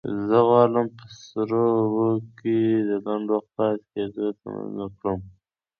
زه غواړم په سړو اوبو کې د لنډ وخت پاتې کېدو تمرین وکړم.